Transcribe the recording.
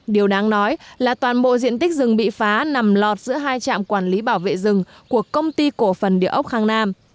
điều đáng nói là toàn bộ diện tích rừng bị phá nằm lọt giữa hai trạm quản lý bảo vệ rừng của công ty cổ phần địa ốc khang nam